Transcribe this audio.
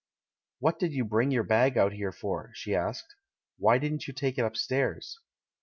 "What did you bring your bag out here for?" she asked. "Why didn't you take it upstairs?"